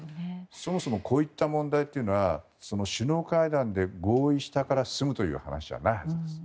そもそもこういった問題というのは首脳会談で合意したから済むという話じゃないはずです。